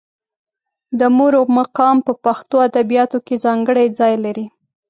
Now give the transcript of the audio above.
د مور مقام په پښتو ادبیاتو کې ځانګړی ځای لري.